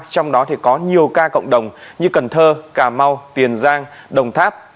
trong đó thì có nhiều ca cộng đồng như cần thơ cà mau tiền giang đồng tháp